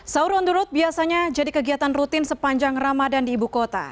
sahur on the road biasanya jadi kegiatan rutin sepanjang ramadan di ibu kota